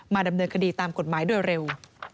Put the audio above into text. ดำเนินคดีตามกฎหมายโดยเร็ว